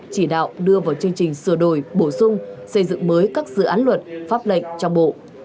chỉ đạo đưa vào chương trình sửa đổi bổ sung xây dựng mới các dự án luật pháp lệnh trong bộ